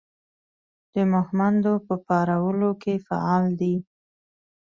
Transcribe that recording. د مهمندو په پارولو کې فعال دی.